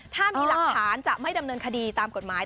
ถ้ามีหลักฐานจะไม่ดำเนินคดีตามกฎหมาย